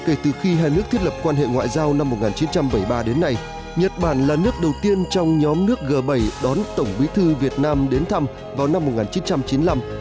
kể từ khi hai nước thiết lập quan hệ ngoại giao năm một nghìn chín trăm bảy mươi ba đến nay nhật bản là nước đầu tiên trong nhóm nước g bảy đón tổng bí thư việt nam đến thăm vào năm một nghìn chín trăm chín mươi năm